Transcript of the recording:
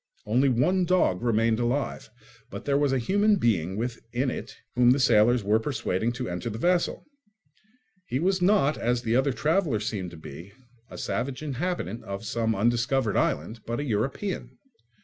Only one dog remained alive; but there was a human being within it whom the sailors were persuading to enter the vessel. He was not, as the other traveller seemed to be, a savage inhabitant of some undiscovered island, but a European.